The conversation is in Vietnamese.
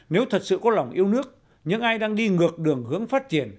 nếu thật sự có lòng yêu nước những ai đang đi ngược đường hướng phát triển